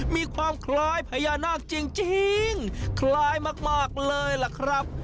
มีความคล้ายพญานาคจริงคล้ายมากเลยล่ะครับ